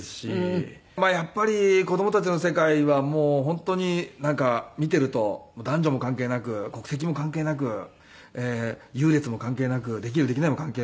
まあやっぱり子供たちの世界はもう本当になんか見ていると男女も関係なく国籍も関係なく優劣も関係なくできるできないも関係ない。